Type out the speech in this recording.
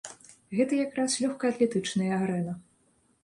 Гэта якраз лёгкаатлетычная арэна.